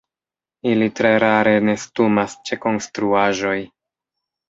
Ili tre rare nestumas ĉe konstruaĵoj.